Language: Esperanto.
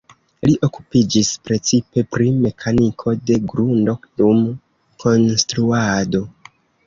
Li okupiĝis precipe pri mekaniko de grundo dum konstruado.